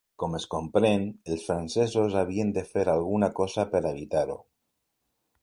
Com es comprèn, els francesos havien de fer alguna cosa per evitar-ho.